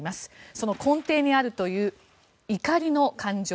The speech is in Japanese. その根底にあるという怒りの感情。